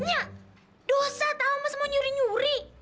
nyah dosa tau gak semua nyuri nyuri